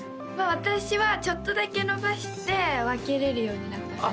私はちょっとだけ伸ばして分けれるようになった感じです